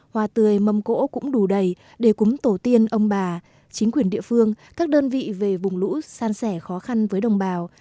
hoa tươi mâm cỗ cũng đủ đầy để cúng tổ tiên ông bà chính quyền địa phương các đơn vị về vùng lũ san sẻ khó khăn với đồng bào